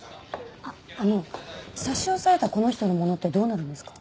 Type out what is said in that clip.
あっあの差し押さえたこの人のものってどうなるんですか？